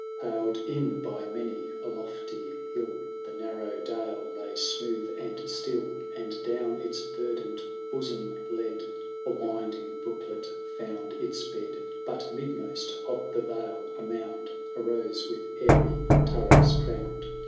XIII. " Paled in by many a lofty hill. The narrow dale lay smooth and still. And, down its verdant bosom led, A winding brooklet found its bed. But, midmost of the vale, a mound Arose with airy turrets crown 'd.